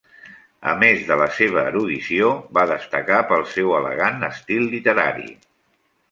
A més de la seva erudició, va destacar pel seu elegant estil literari.